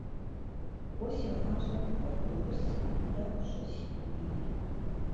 Уэ си гъащӏэм хуэхъуи гъусэ, нэху щӏы си дунейр.